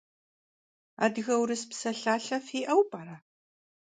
Adıge - vurıs psalhalhe fi'eu p'ere?